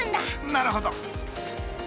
なるほど。